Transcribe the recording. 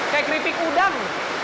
kayak keripik udang